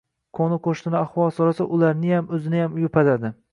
Qo‘ni-qo‘shnilar ahvol so‘rasa, ularniyam, o‘ziniyam yupatadi.